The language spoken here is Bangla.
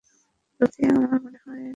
রথি, আমার মনে হয় না করতে পারব।